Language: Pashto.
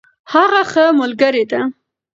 هغه ښه ملګرې ده.